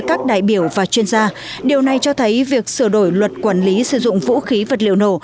các đại biểu và chuyên gia điều này cho thấy việc sửa đổi luật quản lý sử dụng vũ khí vật liệu nổ